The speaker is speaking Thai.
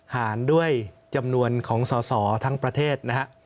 หารด้วยจำนวนของสอสอทั้งประเทศนะฮะ